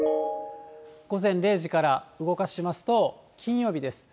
午前０時から動かしますと、金曜日です。